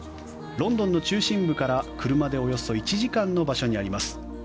ロンドンの中心部から車でおよそ１時間の場所にあります。